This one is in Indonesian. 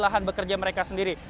lahan bekerja mereka sendiri